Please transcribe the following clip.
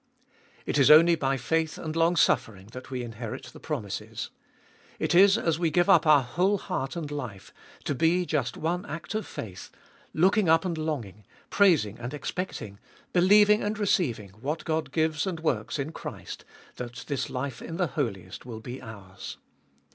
It is only by faith and longsuffering that we inherit the promises. It is as we give up our whole heart and life to be just one act of faith, looking up and longing, praising and expecting, believing and receiving what God gives and works in Christ, that this life in the Holiest will be ours.